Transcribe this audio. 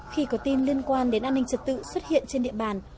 khi có tin liên quan đến an ninh trật tự xuất hiện trên địa bàn